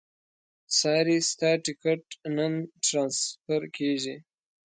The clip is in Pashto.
ساري ستا ټیکټ نه ټرانسفر کېږي.